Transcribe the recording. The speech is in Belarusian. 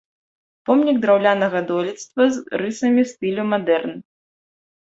Помнік драўлянага дойлідства з рысамі стылю мадэрн.